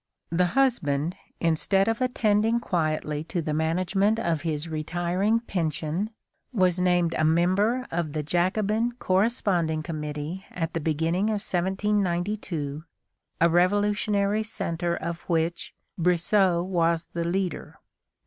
The husband, instead of attending quietly to the management of his retiring pension, was named a member of the Jacobin corresponding committee at the beginning of 1792, a revolutionary centre of which Brissot was the leader.